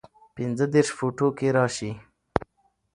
پنځۀدېرش فوټو کښې راشي